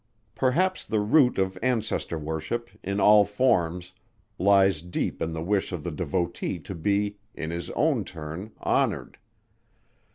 Perhaps the root of ancestor worship, in all forms, lies deep in the wish of the devotee to be, in his own turn, honored.